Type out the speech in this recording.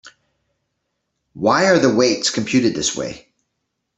Why are the weights computed this way?